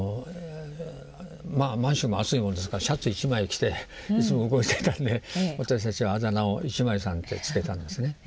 まあ満州も暑いもんですからシャツ一枚着ていつも動いていたんで私たちはあだ名を「一枚さん」って付けたんですね。